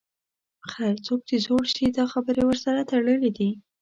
خیر، څوک چې زوړ شي دا خبرې ورسره تړلې دي.